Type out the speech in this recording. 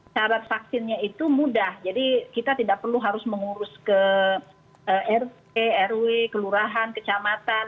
syarat vaksinnya itu mudah jadi kita tidak perlu harus mengurus ke rt rw kelurahan kecamatan